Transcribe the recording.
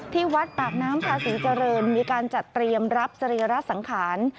ที่วัดปากน้ำพระศรีเจริญมีการจัดเตรียมรับสรีระสังขาร